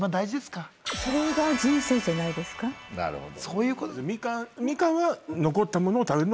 ・なるほど。